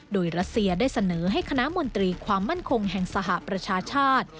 โดยรัสเซียได้เสนอให้คณะมนตรีความมั่นคงแห่งสหประชาชาติ